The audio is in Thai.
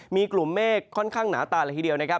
มีกลุ่มเมฆค่อนข้างหนาตาละทีเดียวนะครับ